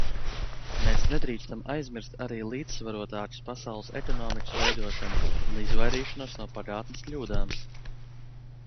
Mēs nedrīkstam aizmirst arī līdzsvarotākas pasaules ekonomikas veidošanu un izvairīšanos no pagātnes kļūdām.